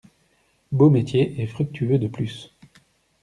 Beau métier, et fructueux, de plus!